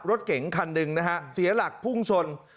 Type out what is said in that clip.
รถเก๋งคันหนึ่งนะฮะเสียหลักพุ่งชน